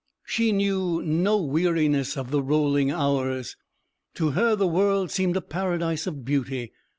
She knew no weariness of the "rolling hours." To her the world seemed a paradise of beauty.